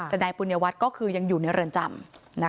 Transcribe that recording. แต่นายปุญญวัฒน์ก็คือยังอยู่ในเรือนจำ